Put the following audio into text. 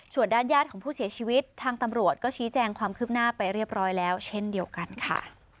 ส่วนด้านญาติของผู้เสียชีวิตทางตำรวจก็ชี้แจงความคืบหน้าไปเรียบร้อยแล้วเช่นเดียวกันค่ะ